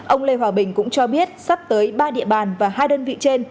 ông lê hòa bình cũng cho biết sắp tới ba địa bàn và hai đơn vị trên